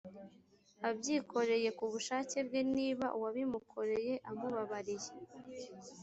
abyikoreye ku bushake bwe niba uwabimukoreye amubabariye